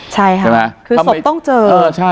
ใช่ครับคือสบต้องเจอ